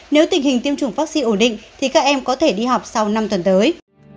nếu tình hình tiêm chủng vaccine ổn định thì các em có thể đi học sau năm tuần tới